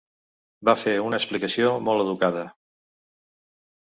Va fer una explicació molt educada.